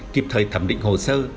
kịp thời thẩm định hồ sơ